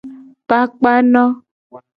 Kpakpano.